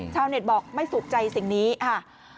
ชาวเน็ตบอกไม่สุขใจสิ่งนี้ค่ะ